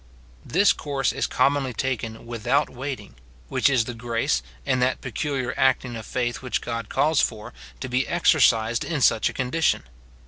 This course is commonly taken without waiting ; which is the grace, and that peculiar acting of faith which God calls for, to be exercised in such a condition.